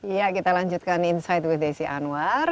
ya kita lanjutkan insight with desi anwar